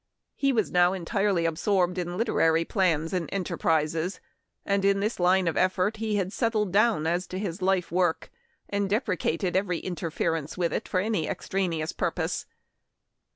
He was now entirely absorbed in literary plans and enterprises, and in this line of effort he had settled down as to his life work, and deprecated every interference with it for any extraneous purpose.